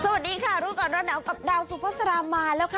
สวัสดีค่ะรุ่นก่อนเวลาเหนียวกับดาวสุภาษฎรามมาแล้วค่ะ